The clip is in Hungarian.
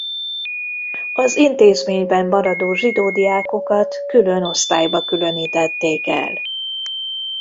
Az intézményben maradó zsidó diákokat külön osztályba különítették el.